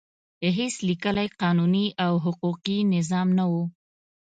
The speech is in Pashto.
هېڅ لیکلی قانون او حقوقي نظام نه و.